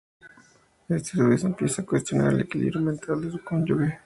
Éste a su vez empieza a a cuestionar el equilibrio mental de su cónyuge.